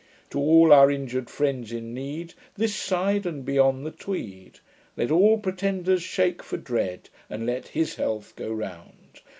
To all our injured friends in need, This side and beyond the Tweed! Let all pretenders shake for dread, And let HIS health go round.